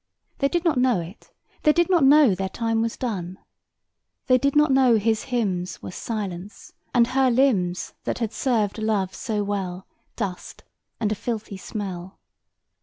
They did not know it. They did not know their time was done. They did not know his hymns Were silence; and her limbs, That had served Love so well, Dust, and a filthy smell.